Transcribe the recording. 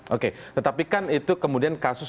oke tetapi kan itu kemudian kasus